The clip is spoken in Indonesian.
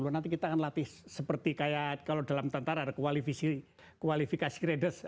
nanti kita akan latih seperti kayak kalau dalam tentara ada kualifikasi gredes